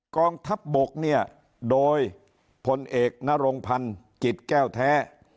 กองทัพบกเนี่ยโดยพลเอกนรงพันธ์จิตแก้วแท้